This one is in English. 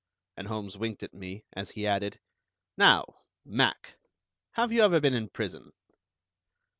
And Holmes winked at me, as he added: "Now, Mac, have you ever been in prison?"